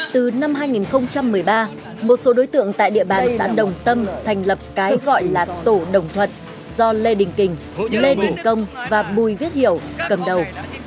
từ năm hai nghìn một mươi ba một số đối tượng tại địa bàn xã đồng tâm thành lập cái gọi là tổ đồng thuật do lê đình kình lê đình công và bùi viết hiểu cầm đầu